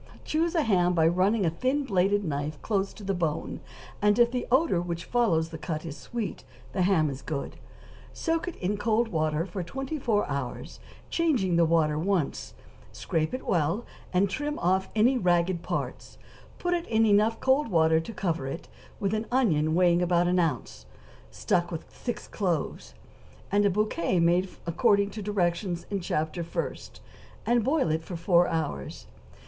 = Choose a ham by running a thin bladed knife close to the bone, and if the odor which follows the cut is sweet the ham is good; soak it in cold water for twenty four hours, changing the water once; scrape it well, and trim off any ragged parts; put it in enough cold water to cover it, with an onion weighing about one ounce, stuck with six cloves, and a bouquet made according to directions in Chapter first, and boil it four hours.